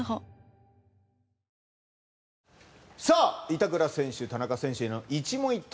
板倉選手、田中選手への一問一答。